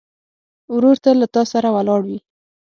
ورور تل له تا سره ولاړ وي.